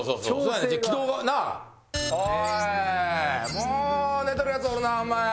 もう寝てるヤツおるなお前。